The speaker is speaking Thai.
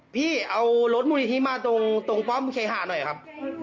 พี่เอารถมูลนิธิมาตรงป้อมเคหาหน่อยครับ